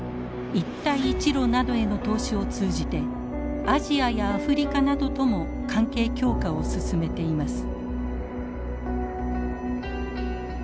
一帯一路などへの投資を通じてアジアやアフリカなどとも関係強化を進めています。